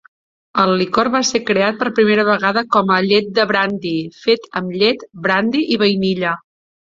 El licor va ser creat per primera vegada com a "llet de brandi", fet amb llet, brandi i vainilla.